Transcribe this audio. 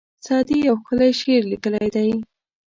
سعدي یو ښکلی شعر لیکلی دی.